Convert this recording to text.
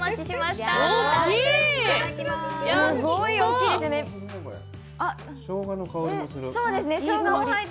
すごい大きいですよね。